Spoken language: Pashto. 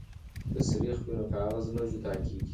که سريښ وي نو کاغذ نه جدا کیږي.